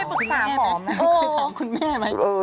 เคยไปปรุกษาคุณแม่ไหม